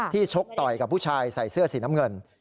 ชกต่อยกับผู้ชายใส่เสื้อสีน้ำเงิน